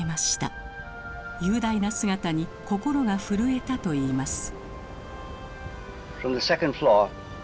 雄大な姿に心が震えたといいます。